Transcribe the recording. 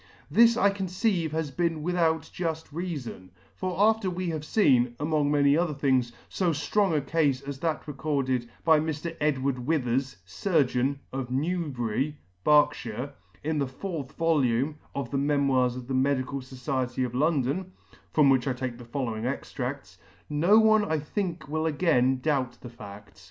This I conceive has been without juft reafon ; for after we have feen, among many others, fo ftrong a Cafe as that recorded by Mr. Edward Withers, Surgeon, of Newbury, Berks, in the Fourth Volume of the Memoirs of the Medical 2 Society £ 121 ] Society of London, (from which I take the following Extra&s,) no one I think will again doubt the fa<5t.